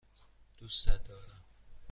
دوستت دارم.